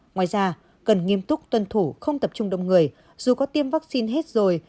ngoài ra cần nghiêm túc tuân thủ không tập trung đông người dù có tiêm vaccine hết rồi